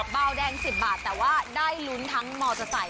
เบาแดง๑๐บาทแต่ว่าได้ลุ้นทั้งมอเตอร์ไซค